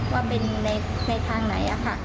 ว่าเป็นในทางไหนอ่ะค่ะ